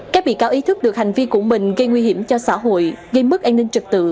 các bị cáo ý thức được hành vi của mình gây nguy hiểm cho xã hội gây mất an ninh trực tự